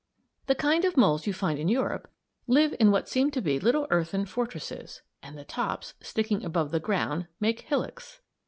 ] The kind of moles you find in Europe live in what seem to be little earthen fortresses, and the tops, sticking above ground, make hillocks.